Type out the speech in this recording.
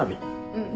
うん。